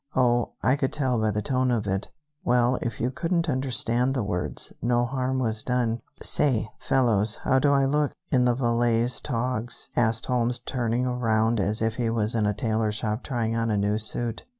"Oh, I could tell by the tone of it." "Well, if you couldn't understand the words, no harm was done. Say, fellows, how do I look in the valet's togs?" asked Holmes turning around as if he was in a tailor shop trying on a new suit.